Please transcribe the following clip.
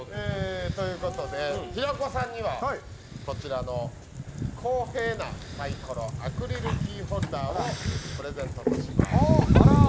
平子さんにはこちらの公平なサイコロアクリルキーホルダーをプレゼントします。